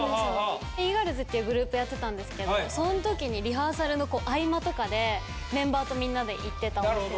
Ｅ−ｇｉｒｌｓっていうグループやってたんですけどその時にリハーサルの合間とかでメンバーとみんなで行ってたんですよ。